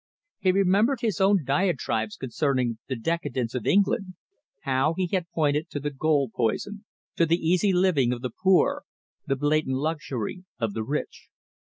He remembered his own diatribes concerning the decadence of England; how he had pointed to the gold poison, to the easy living of the poor, the blatant luxury of the rich.